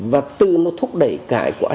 và từ nó thúc đẩy cải quả